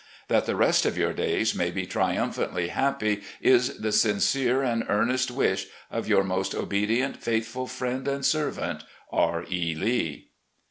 That the rest of your days may be triumphantly happy is the sincere and earnest wish of "Your most obedient, faithful friend and servant, "R. E. Lee."